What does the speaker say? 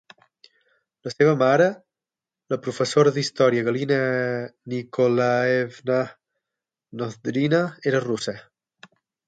La seva mare, la professora d'història Galina Nikolaevna Nozdrina, era russa.